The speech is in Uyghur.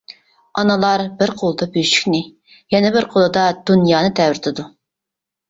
ئانىلار بىر قولىدا بۆشۈكنى يەنە بىر قولىدا دۇنيانى تەۋرىتىدۇ!